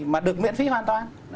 mà được miễn phí hoàn toàn